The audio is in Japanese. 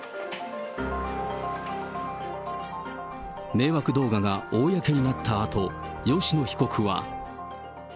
迷惑動画が公になったあと、吉野被告は。